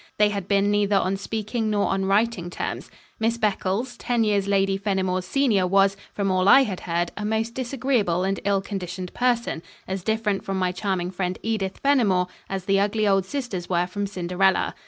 They had been neither on speaking nor on writing terms. Miss Beccles, ten years Lady Fenimore's senior, was, from all I had heard, a most disagreeable and ill conditioned person, as different from my charming friend Edith Fenimore as the ugly old sisters were from Cinderella.